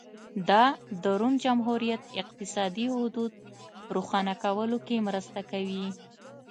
دا د روم جمهوریت اقتصادي حدود روښانه کولو کې مرسته کوي